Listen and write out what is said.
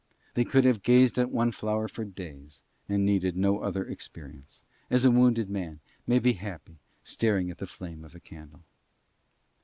They could have gazed at one flower for days and needed no other experience, as a wounded man may be happy staring at the flame of a candle.